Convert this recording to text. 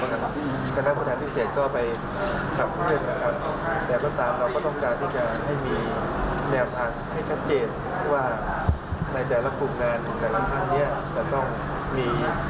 ภูมิเรือแต่การและเรือสมดัติในคลุมได้ทำอย่างไร